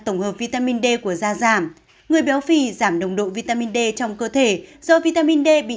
tổng hợp vitamin d của da giảm người béo phì giảm nồng độ vitamin d trong cơ thể do vitamin d bị